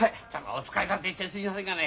お使い立てしてすいませんがね。